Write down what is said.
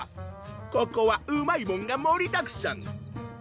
ここはうまいもんがもりだくさん！